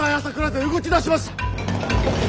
勢動き出しました。